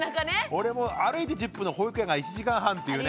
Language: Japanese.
俺も歩いて１０分の保育園が１時間半っていうね。